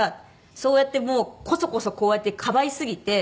そうやってもうコソコソこうやってかばいすぎて。